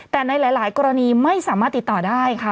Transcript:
แต่ในหลายกรณีไม่สามารถติดต่อได้ค่ะ